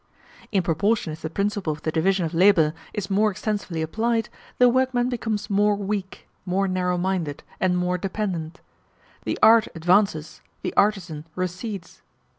In proportion as the principle of the division of labor is more extensively applied, the workman becomes more weak, more narrow minded, and more dependent. The art advances, the artisan recedes.